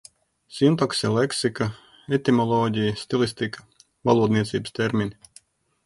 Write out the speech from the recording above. Sintakse, leksika, etimoloģija, stilistika - valodniecības termini.